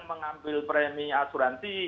mengambil premi asuransi